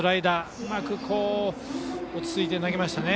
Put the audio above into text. うまく落ち着いて投げましたね。